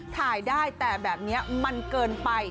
ถ่ายได้แต่แบบนี้มันเกินไป